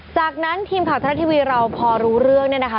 จากนั้นทีมข่าวทรัฐทีวีเราพอรู้เรื่องเนี่ยนะคะ